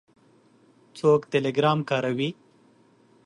څوک ټیلیګرام کاروي؟